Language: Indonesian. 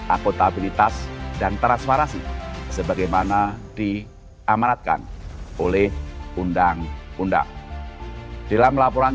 akutabilitas dan transferasi sebagaimana di amaratkan oleh undang undang dalam laporan